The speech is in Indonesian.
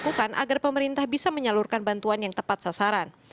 dan juga dilakukan agar pemerintah bisa menyalurkan bantuan yang tepat sasaran